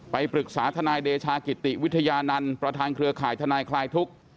ปรึกษาทนายเดชากิติวิทยานันต์ประธานเครือข่ายทนายคลายทุกข์